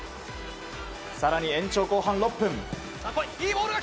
更に、延長後半６分。